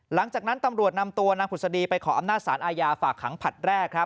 หลังจากนั้นตำรวจนำตัวนางผุศดีไปขออำนาจสารอาญาฝากขังผลัดแรกครับ